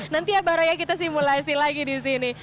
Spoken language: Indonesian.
nanti ya barak ya kita simulasi lagi di sini